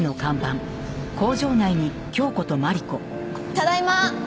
ただいま！